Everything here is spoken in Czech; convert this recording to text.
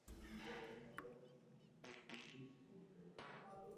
Musí tu být něco dalšího, co daného člověka vystavuje ohrožení.